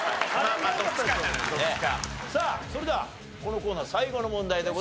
さあそれではこのコーナー最後の問題でございます。